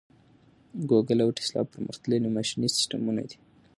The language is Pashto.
ګوګل او ټیسلا پرمختللي ماشیني سیسټمونه دي.